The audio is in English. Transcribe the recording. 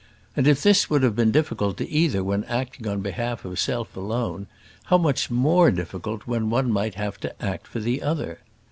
And if this would have been difficult to either when acting on behalf of self alone, how much more difficult when one might have to act for the other!